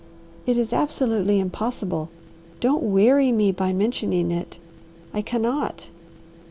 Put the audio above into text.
"It is absolutely impossible. Don't weary me by mentioning it. I cannot."